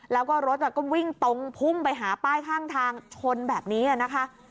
แล้วก็รถก็วิ่งตรงพุ่งไปหาป้ายข้างทางชนแบบนี้นะคะ